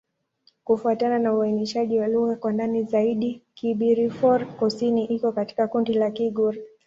Kufuatana na uainishaji wa lugha kwa ndani zaidi, Kibirifor-Kusini iko katika kundi la Kigur.